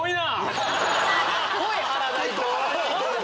声張らないと。